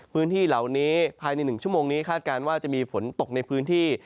พื้นที่เหล่านี้ภายใน๑ชั่วโมงนี้คาดการณ์ว่าจะมีฝนตกในพื้นที่